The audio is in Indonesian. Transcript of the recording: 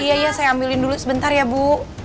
iya iya saya ambilin dulu sebentar ya bu